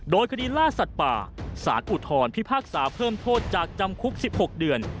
โดยคดีล่าสัตว์ป่าสารอุทธรพิพากษาเพิ่มโทษจากจำคุก๑๖เดือน